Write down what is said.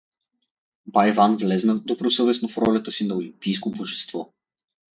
Бай Иван влезна добросъвестно в ролята си на олимпийско божество.